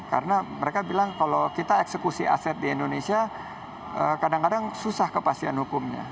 karena mereka bilang kalau kita eksekusi aset di indonesia kadang kadang susah kepastian hukumnya